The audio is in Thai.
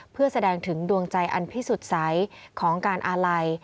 เพื่อแสดงถึงดวงใจอันพิสุทธิ์ใสของการอาลัย